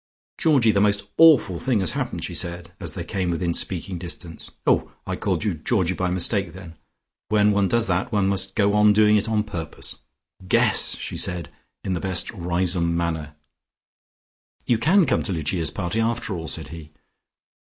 "Georgie, the most awful thing has happened," she said, as they came within speaking distance. "Oh, I called you Georgie by mistake then. When one once does that, one must go on doing it on purpose. Guess!" she said in the best Riseholme manner. "You can come to Lucia's party after all," said he.